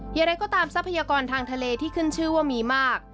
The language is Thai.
อย่างไรก็ตามทรัพยากรทางทะเลที่ขึ้นชื่อว่ามีมาก